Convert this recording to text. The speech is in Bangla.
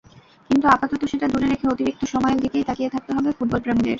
কিন্তু আপাতত সেটা দূরে রেখে অতিরিক্ত সময়ের দিকেই তাকিয়ে থাকতে হবে ফুটবলপ্রেমীদের।